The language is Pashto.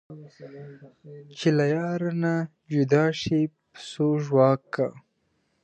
چې له یاره نه جدا شي پسو ژواک کا